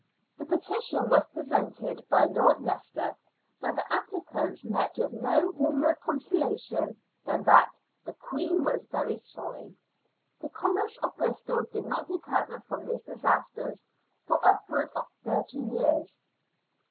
The petition was presented by Lord Leicester, but the applicants met with no warmer consola tion than that " the Queen was very sorry." The com merce of Bristol did not recover from these disasters for upwards of thirty years.